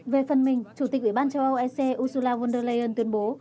về phần mình chủ tịch ủy ban châu âu ec ursula von der leyen tuyên bố